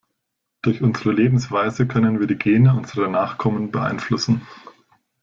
Durch unsere Lebensweise können wir die Gene unserer Nachkommen beeinflussen.